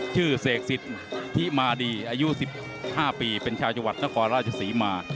ชื่อเสกศิษฐ์ทิมาดีอายุ๑๕ปีเป็นชาวจังหวัดกาลราชศรีมา